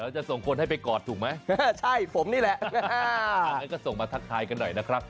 จะส่งคนให้ไปกอดถูกไหมใช่ผมนี่แหละงั้นก็ส่งมาทักทายกันหน่อยนะครับ